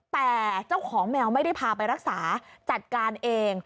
แต่เจ้าของแมวไม่ได้พาไปรักษาจัดการเอง